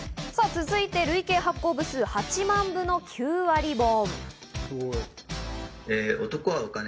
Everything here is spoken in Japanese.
続いて累計発行部数８万部の９割本。